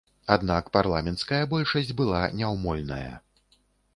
Аднак парламенцкая большасць была няўмольная.